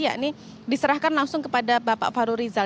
ya ini diserahkan langsung kepada bapak wahru rizal